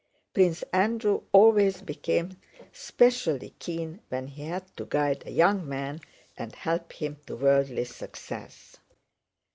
Prince Andrew always became specially keen when he had to guide a young man and help him to worldly success.